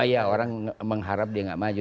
iya orang mengharap dia gak maju